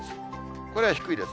これは低いですね。